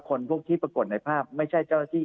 คนพวกที่ปรากฏในภาพไม่ใช่เจ้าหน้าที่